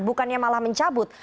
bukannya malah mencabut